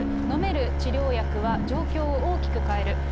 飲める治療薬は、状況を大きく変える。